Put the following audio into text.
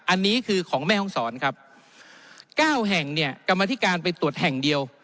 อันนี้คือของแม่ห้องสอนครับ๙แห่งเนี่ยก็มาที่การไปตรวจแห่งเดียว